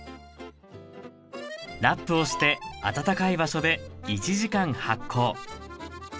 ラップをして温かい場所で１時間発酵。